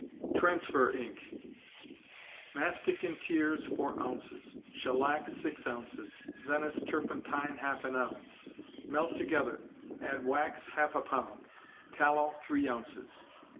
Transfer Ink. Mastic in tears, four ounces; shellac, six oz.; Venice turpentine, half an ounce; melt together; add wax, half a pound; tallow, three ounces.